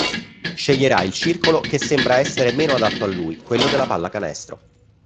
Sceglierà il circolo che sembra essere meno adatto a lui, quello della pallacanestro.